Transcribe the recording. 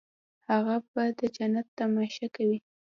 هغه به د جنت تماشه کوي.